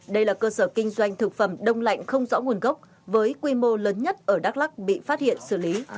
đây là cơ sở kinh doanh thực phẩm đông lạnh không rõ nguồn gốc với quy mô lớn nhất ở đắk lắc bị phát hiện xử lý